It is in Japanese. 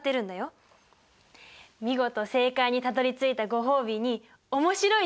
見事正解にたどりついたご褒美に面白い実験見せてあげる。